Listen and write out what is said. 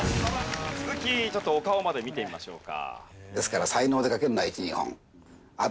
続きちょっとお顔まで見てみましょうか。